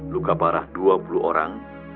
luka parah dua puluh orang